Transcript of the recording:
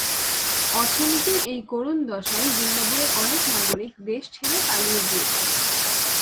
অর্থনীতির এই করুণ দশায় জিম্বাবুয়ের অনেক নাগরিক দেশ ছেড়ে পালিয়ে গিয়েছেন।